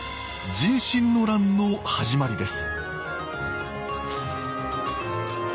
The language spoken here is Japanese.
壬申の乱の始まりです